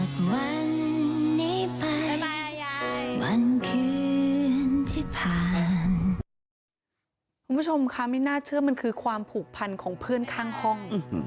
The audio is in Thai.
คุณผู้ชมค่ะไม่น่าเชื่อมันคือความผูกพันของเพื่อนข้างห้อง